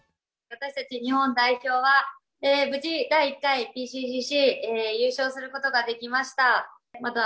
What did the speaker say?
私たち日本代表は、無事、第１回ＰＣＣＣ優勝することができました。